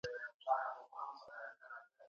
ژوند کړی دی، ژوند کوي او ژوند به وکړي. دا مهمه